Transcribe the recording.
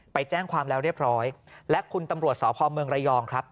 ไปแจ้งความแล้วเรียบร้อยและคุณตำรวจสพเมืองระยองครับ